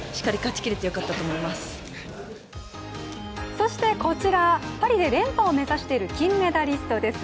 そしてこちら、パリで連覇を目指している金メダリストです。